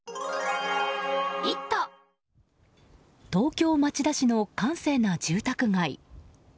東京・町田市の閑静な住宅街。